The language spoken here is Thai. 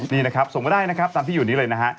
นี่นะครับส่งมาได้นะครับตามที่อยู่นี้เลยนะฮะ